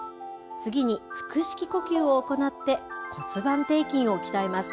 次に腹式呼吸を行って、骨盤底筋を鍛えます。